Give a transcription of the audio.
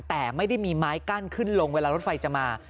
แต่ไม่ได้มีไม้กั้นขึ้นลงเวลารถไฟจะมา